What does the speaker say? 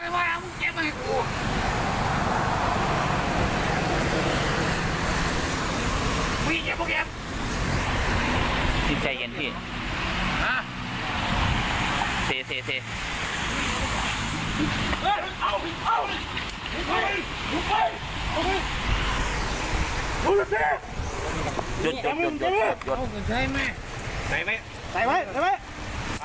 คุณผู้ชมมีความกลัวครับโซนนะครับ